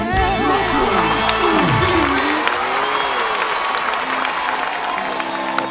ได้ครับ